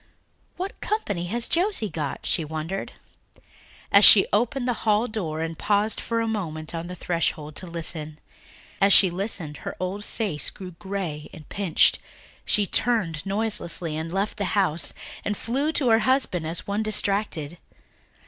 "What company has Josie got?" she wondered, as she opened the hall door and paused for a moment on the threshold to listen. As she listened her old face grew grey and pinched; she turned noiselessly and left the house, and flew to her husband as one distracted.